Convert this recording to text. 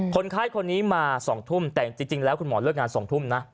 คนไข้คนนี้มา๒ทุ่มแต่จริงแล้วคุณหมอเลิกงาน๒ทุ่มนะ